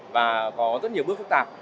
và có rất nhiều bước phức tạp